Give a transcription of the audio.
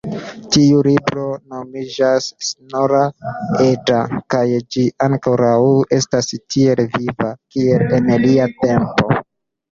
Tiu libro nomiĝas Snorra-Edda kaj ĝi ankoraŭ estas tiel viva, kiel en lia tempo.